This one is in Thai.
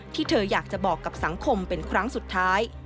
ที่เธออยากจะบอกกับสังคมเป็นครั้งสุดท้าย